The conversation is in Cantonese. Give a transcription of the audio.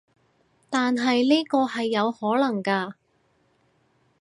但係呢個係有可能㗎